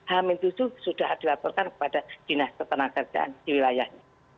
hamin tussu sudah dilaporkan kepada dinas ketenagakerjaan di wilayahnya